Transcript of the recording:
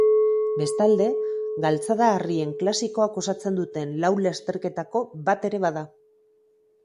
Bestalde, Galtzada-harrien klasikoak osatzen duten lau lasterketako bat ere bada.